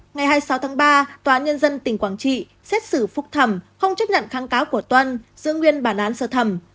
ngày hai mươi sáu tháng ba tòa án nhân dân tỉnh quảng trị xét xử phúc thẩm không chấp nhận kháng cáo của tuân giữ nguyên bản án sơ thẩm